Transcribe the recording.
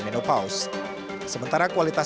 menopaus sementara kualitas